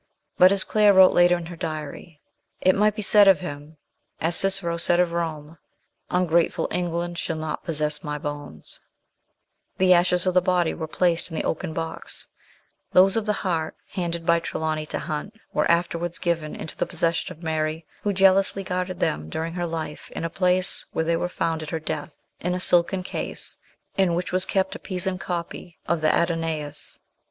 But, as Claire wrote later in her diary, " It might be said of him, as Cicero said of Rome, ' Ungrateful England shall not possess my bones/ " The ashes of the body were placed in the oaken, box ; those of the heart, handed by Trelawny to Hunt, were afterwards given into the possession of Mary, who jealously guarded them during her life, in a place where they were found at her death, in a silken case, in which was kept a Pisan copy of the Adonais.